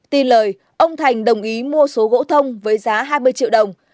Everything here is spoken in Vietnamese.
tin lời ông thành đồng ý mua số gỗ thông với giá hai mươi triệu đồng